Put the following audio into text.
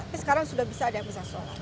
tapi sekarang sudah bisa ada yang bisa sholat